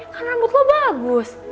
karena rambut lo bagus